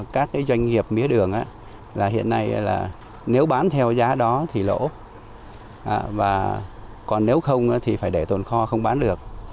các doanh nghiệp mía đường hiện nay nếu bán theo giá đó thì lỗ còn nếu không thì phải để tồn kho không bán được